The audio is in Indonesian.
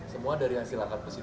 semua dari hasil angkat pusing